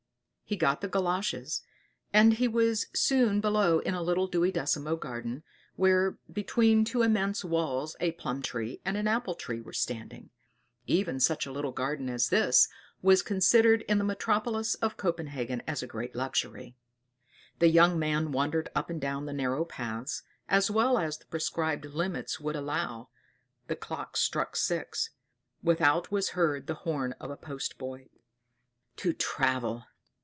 He got the Galoshes, and he was soon below in a little duodecimo garden, where between two immense walls a plumtree and an apple tree were standing. Even such a little garden as this was considered in the metropolis of Copenhagen as a great luxury. The young man wandered up and down the narrow paths, as well as the prescribed limits would allow; the clock struck six; without was heard the horn of a post boy. "To travel!